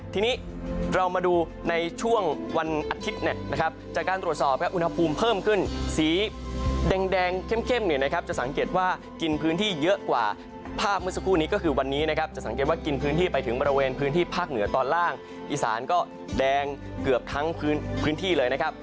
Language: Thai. ทีนี้เรามาดูในช่วงวันอาทิตย์นะครับจากการตรวจสอบครับอุณหภูมิเพิ่มขึ้นสีแดงเข้มเนี่ยนะครับจะสังเกตว่ากินพื้นที่เยอะกว่าภาพเมื่อสักครู่นี้ก็คือวันนี้นะครับจะสังเกตว่ากินพื้นที่ไปถึงบริเวณพื้นที่ภาคเหนือตอนล่างอีสานก็แดงเกือบทั้งพื้นที่เลยนะครับ